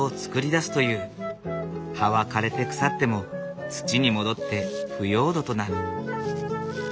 葉は枯れて腐っても土に戻って腐葉土となる。